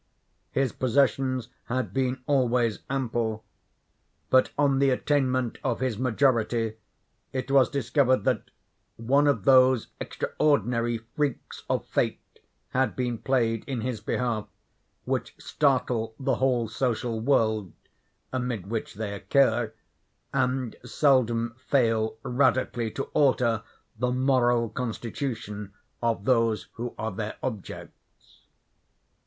His possessions had been always ample; but on the attainment of his majority, it was discovered that one of those extraordinary freaks of fate had been played in his behalf which startle the whole social world amid which they occur, and seldom fail radically to alter the moral constitution of those who are their objects.